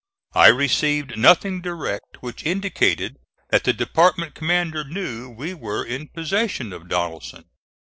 I received nothing direct which indicated that the department commander knew we were in possession of Donelson.